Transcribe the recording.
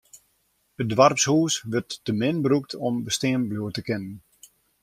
It doarpshûs wurdt te min brûkt om bestean bliuwe te kinnen.